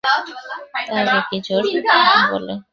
তাহাকে কি জোর বলে।